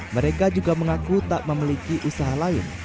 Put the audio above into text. mereka juga mengaku tak memiliki usaha lain